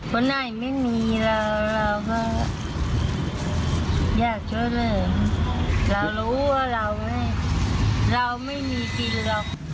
ผู้ในไม่มีเราเราก็ยากช่วยเรื่องเรารู้ว่าเราอะไรเราไม่มีศีลหรอก